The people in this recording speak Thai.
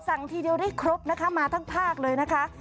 ทีเดียวได้ครบนะคะมาทั้งภาคเลยนะคะ